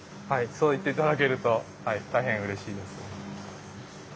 そう言って頂けると大変うれしいです。